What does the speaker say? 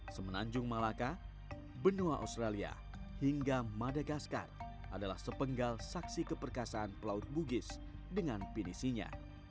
semenanjung malaka benua australia hingga madagaskar adalah sepenggal saksi keperkasaan pelaut bugis dengan pinisinya